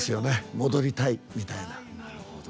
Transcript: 戻りたいみたいな。